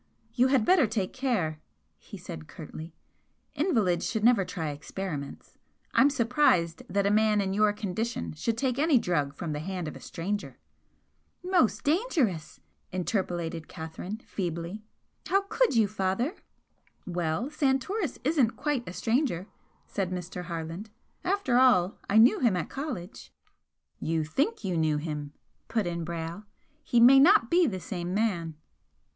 "You had better take care," he said, curtly "Invalids should never try experiments. I'm surprised that a man in your condition should take any drug from the hand of a stranger." "Most dangerous!" interpolated Catherine, feebly "How could you, father?" "Well, Santoris isn't quite a stranger," said Mr. Harland "After all, I knew him at college " "You think you knew him," put in Brayle "He may not be the same man."